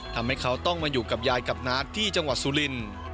ทำให้เขาต้องมาอยู่กับยายกับนาคที่จังหวัดสุรินทร์